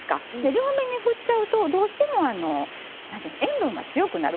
両面に振っちゃうと、どうしても塩分が強くなる。